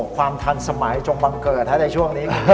ความทันสมัยจงบังเกิดในช่วงนี้